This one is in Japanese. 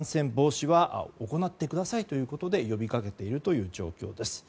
引き続きの感染防止は行ってくださいということで呼びかけているという状況です。